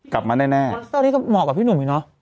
กลับมาแน่นะครับก็เหมาะกับพี่หนุ่มแล้วสินะ